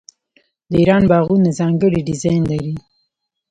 د ایران باغونه ځانګړی ډیزاین لري.